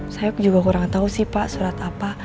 saya juga kurang tahu sih pak surat apa